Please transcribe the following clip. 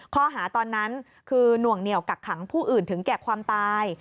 ข้อหาตอนนั้นคือหน่วงเหนียวกักขังผู้อื่นถึงแก่ความตาย